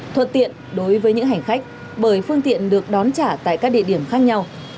thuận tiện đối với những hành khách bởi phương tiện được đón trả tại các địa điểm khác nhau